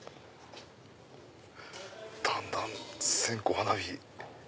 だんだん線香花火。